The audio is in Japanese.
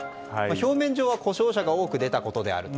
表面上は、故障者が多く出たことであると。